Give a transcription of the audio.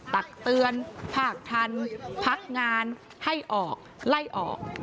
ตักเตือนภาคทันพักงานให้ออกไล่ออก